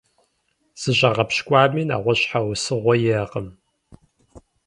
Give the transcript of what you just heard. ЗыщӀагъэпщкӀуами нэгъуэщӀ щхьэусыгъуэ иӀакъым.